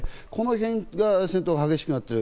この辺が戦闘が激しくなっている。